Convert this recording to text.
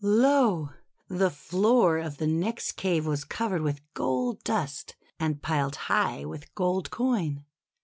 Lo! the floor of the next cave was covered with gold dust, and piled high with gold coin.